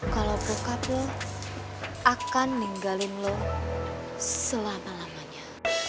kalau bokap lu akan ninggalin lu selama lamanya